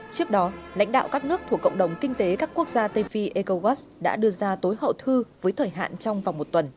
trước đó lãnh đạo các nước thuộc cộng đồng kinh tế các quốc gia tây phi egowas đã đưa ra tối hậu thư với thời hạn trong vòng một tuần